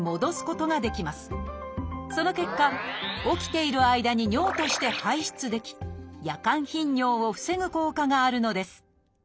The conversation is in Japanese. その結果起きている間に尿として排出でき夜間頻尿を防ぐ効果があるのです。